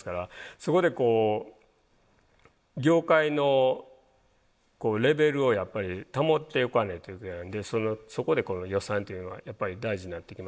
そこでこう業界のレベルをやっぱり保っていかないといけないんでそこでこの予算っていうのがやっぱり大事になってきます。